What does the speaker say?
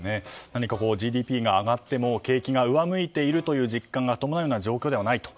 何かＧＤＰが上がっても景気が上向いているような実感が伴うような状況ではないと。